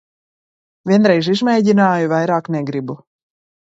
Vienreiz izmēģināju, vairāk negribu.